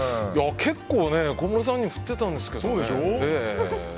結構、小室さんにも振ってたんですけどね。